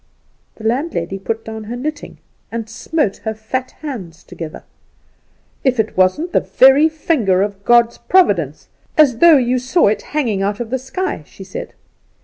The landlady put down her knitting and smote her fat hands together. If it wasn't the very finger of God's providence, as though you saw it hanging out of the sky, she said.